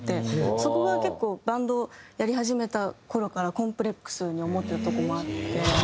そこが結構バンドやり始めた頃からコンプレックスに思ってるとこもあって。